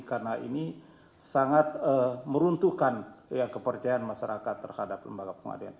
karena ini sangat meruntuhkan kepercayaan masyarakat terhadap lembaga pengadilan